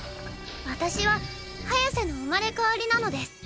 私はハヤセの生まれ変わりなのです！